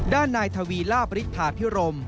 ด้านนายทวีร่าบริษฐาพิรม